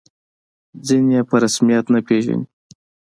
ځینې یې په رسمیت نه پېژني.